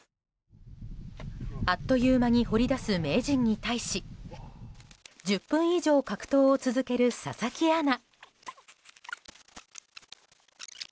あっという間に掘り出す名人に対し１０分以上格闘を続ける佐々木アナ。